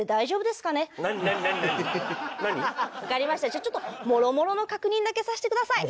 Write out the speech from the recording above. じゃあちょっともろもろの確認だけさせてください。